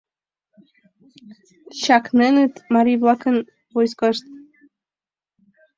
Чакненыт марий-влакын войскашт.